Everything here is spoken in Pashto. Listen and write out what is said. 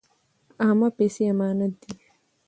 عامې پیسې امانت دي.